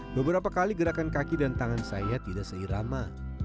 beberapa kali gerakan kaki dan tangan saya tidak seirama